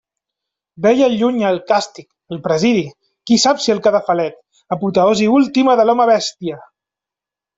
Veia al lluny el càstig, el presidi, qui sap si el cadafalet, apoteosi última de l'home-bèstia!